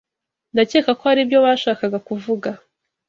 Ndakeka ko aribyo bashakaga kuvuga.